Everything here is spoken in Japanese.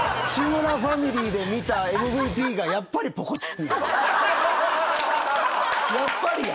志村ファミリーで見たＭＶＰがやっぱりポコ。